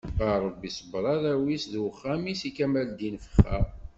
A Rebbi sebber arraw-is d uxxam-is i kamel Ddin Fexxar.